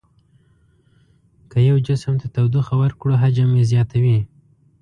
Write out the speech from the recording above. که یو جسم ته تودوخه ورکړو حجم یې زیاتوي.